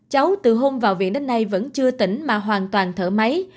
cháu từ hôm vào viện đến nay vẫn chưa tỉnh mà hoàn toàn thở máy